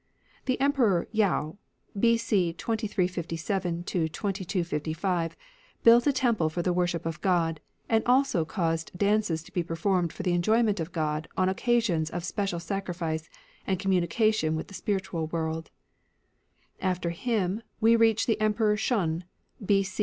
The Emperor Yao, B.C. 2367 2256, built a temple for the worship of God, and also caused dances to be performed for the enjoyment of God on occasions of special sacrifice and communication with the spiritual world. After him, we reach the Emperor Shun, b.o.